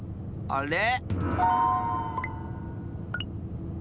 あれ？